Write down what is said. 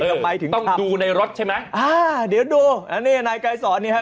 เออต้องดูในรถใช่ไหมอ่าเดี๋ยวดูนายไกล่สอนนี่ฮะ